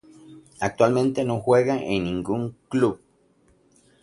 Actualmente no juega en ningún club.